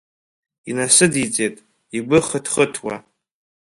Инасыдиҵеит, игәы хыҭхыҭуа.